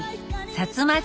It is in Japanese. さつま汁。